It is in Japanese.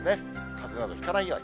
かぜなどひかないように。